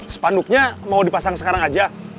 sepanduknya mau dipasang sekarang aja